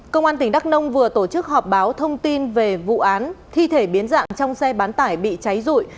công an tỉnh đắk nông vừa tổ chức họp báo thông tin về vụ án thi thể biến dạng trong xe bán tải bị cháy rụi